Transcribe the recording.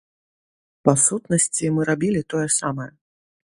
Па сутнасці, мы рабілі тое самае.